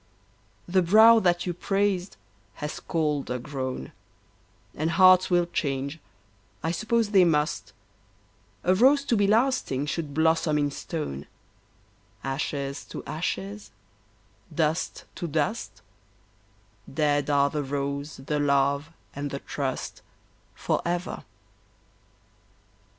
The brow that you praised has colder grown, And hearts will change, I suppose they must, A rose to be lasting, should blossom in stone, Ashes to ashes, dust to dust, Dead are the rose, the love, and the trust, Forever.